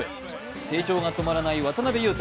成長が止まらない渡邊雄太。